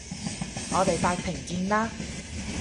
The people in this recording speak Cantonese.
我哋法庭見啦